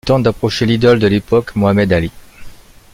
Il tente d’approcher l’idole de l’époque, Mohamed Ali.